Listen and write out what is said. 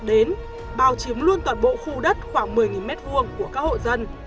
đến bao chiếm luôn toàn bộ khu đất khoảng một mươi m hai của các hộ dân